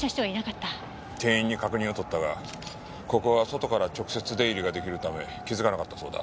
店員に確認を取ったがここは外から直接出入りが出来るため気づかなかったそうだ。